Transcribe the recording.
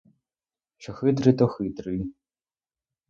Що хитрий, то хитрий!